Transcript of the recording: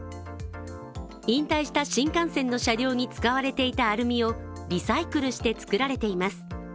引退した新幹線の車両に使われていたアルミをリサイクルして作られています。